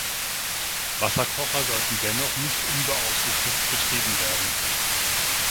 Wasserkocher sollten dennoch nicht unbeaufsichtigt betrieben werden.